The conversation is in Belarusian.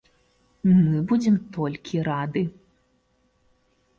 Мы будзем толькі рады.